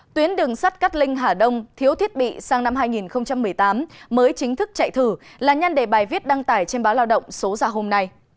tuyến đường sắt cát linh hà đông thiếu thiết bị sang năm hai nghìn một mươi tám mới chính thức chạy thử là nhân đề bài viết đăng tải trên báo lao động số ra hôm nay